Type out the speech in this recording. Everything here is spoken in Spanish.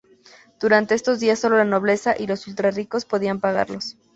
Durante esos días, sólo la nobleza y la ultra ricos podían pagarlos.